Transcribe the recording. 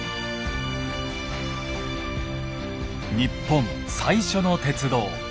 日本最初の鉄道。